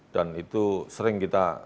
dan itu sering kita